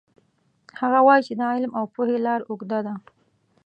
هغه وایي چې د علم او پوهې لار اوږده ده